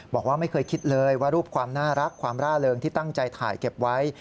บอกว่าไม่เคยคิดเลยว่ารูปความน่ารักความร่าเริงที่ตั้งใจถ่ายเก็บไว้